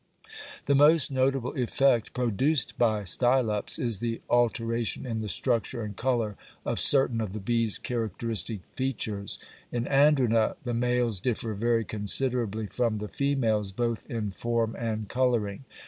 The most notable effect produced by Stylops is the alteration in the structure and colour of certain of the bee's characteristic features. In Andrena the males differ very considerably from the females both in form and colouring.